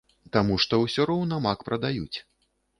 Таму што ўсё роўна мак прадаюць.